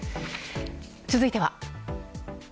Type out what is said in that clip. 続いては。